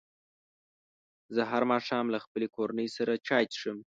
زه هر ماښام له خپلې کورنۍ سره چای څښم.